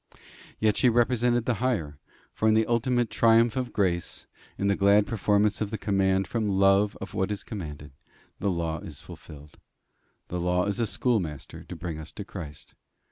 Yet she represented the higher; for in the ultimate triumph of grace, in the glad performance of the command from love of what is commanded, the law is fulfilled: the law is a schoolmaster to bring us to Christ.